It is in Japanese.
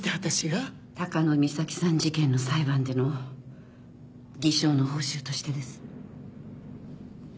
高野美咲さん事件の裁判での偽証の報酬としてです。